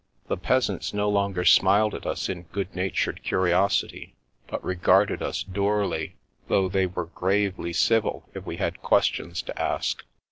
The peasants no longer smiled at us in good natured curiosity, but regarded us dourly, though they were gravely civil if we had questions to ask.